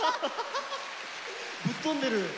ぶっ飛んでる。